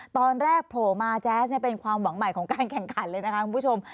โผล่มาแจ๊สเป็นความหวังใหม่ของการแข่งขันเลยนะคะคุณผู้ชม